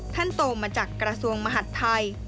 ท่านโตมาจากกระทรวงมหัฒน์ไทย